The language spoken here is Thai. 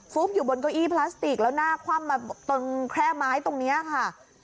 อยู่บนเก้าอี้พลาสติกแล้วหน้าคว่ำมาตรงแคร่ไม้ตรงนี้ค่ะ